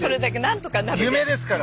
夢ですから。